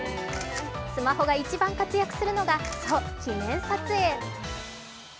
スマホが一番活躍するのが、そう、記念撮影。